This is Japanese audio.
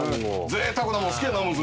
ぜいたくなもん好きやな娘。